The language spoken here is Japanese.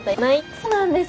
そうなんです！